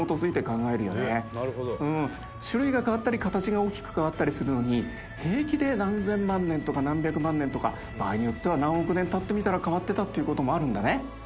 すごく種類が変わったり形が大きく変わったりするのに平気で何千万年とか何百万年とか場合によっては何億年経ってみてたら変わってたっていう事もあるんだね。